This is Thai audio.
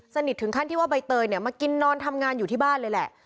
ถึงขั้นที่ว่าใบเตยเนี่ยมากินนอนทำงานอยู่ที่บ้านเลยแหละ